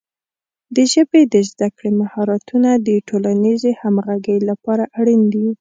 د ژبې د زده کړې مهارتونه د ټولنیزې همغږۍ لپاره اړین دي.